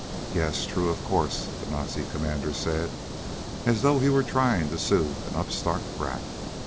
"Yes, true, of course," the Nazi commander said as though he were trying to soothe an upstart brat.